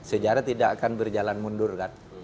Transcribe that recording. sejarah tidak akan berjalan mundur kan